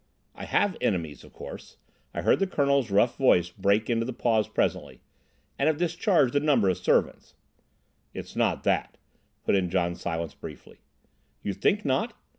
"I have enemies, of course," I heard the Colonel's rough voice break into the pause presently, "and have discharged a number of servants—" "It's not that," put in John Silence briefly. "You think not?